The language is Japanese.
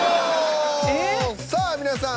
さあ皆さん